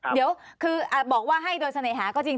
เดี๋ยวคือบอกว่าให้โดยเสน่หาก็จริง